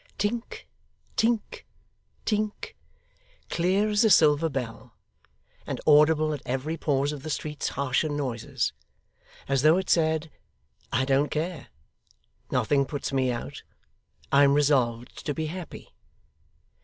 Tink, tink, tink clear as a silver bell, and audible at every pause of the streets' harsher noises, as though it said, 'I don't care; nothing puts me out; I am resolved to be happy.